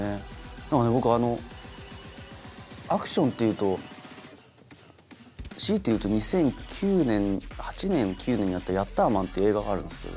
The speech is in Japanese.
何か僕アクションっていうと強いて言うと２００９年にやった『ヤッターマン』っていう映画があるんですけど。